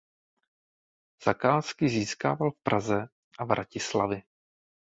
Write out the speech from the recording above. Zakázky získával v Praze a Vratislavi.